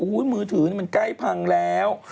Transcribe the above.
อู้ยมือถือมันแก้พังแล้ว